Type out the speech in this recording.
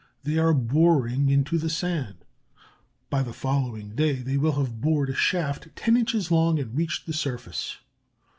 They are boring into the sand. By the following day they will have bored a shaft ten inches long and reached the surface.